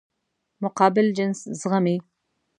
مقابل جنس زغمي.